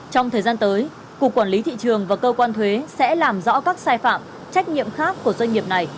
trong thời gian tới cục quản lý thị trường và cơ quan thuế sẽ làm rõ các sai phạm trách nhiệm khác của doanh nghiệp này